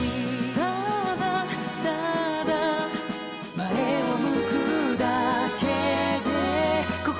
「ただ、ただ」「前を向くだけで心が笑ってる」